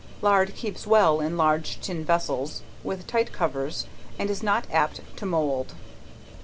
Lard keeps well in large tin vessels with tight covers and is not apt to mould.